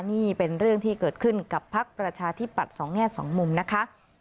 นี่เป็นเรื่องที่เกิดขึ้นกับพักประชาธิปัตย์สองแง่สองมุมนะคะ